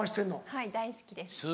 はい大好きです